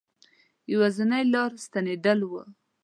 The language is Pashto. یوازنی لاره ستنېدل وه.